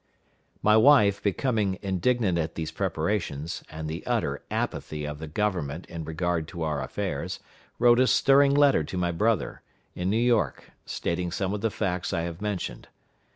My wife, becoming indignant at these preparations, and the utter apathy of the Government in regard to our affairs, wrote a stirring letter to my brother, in New York, stating some of the facts I have mentioned.